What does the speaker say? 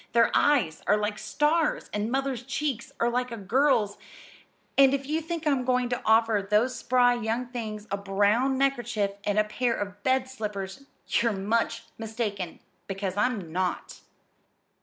Their eyes are like stars, and Mother's cheeks are like a girl's; and if you think I'm going to offer those spry young things a brown neckerchief and a pair of bed slippers you're much mistaken because I'm not!"